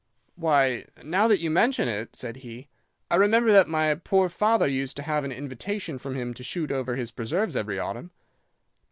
"'Why, now that you mention it,' said he, 'I remember that my poor father used to have an invitation from him to shoot over his preserves every autumn.